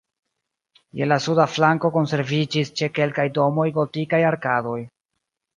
Je la suda flanko konserviĝis ĉe kelkaj domoj gotikaj arkadoj.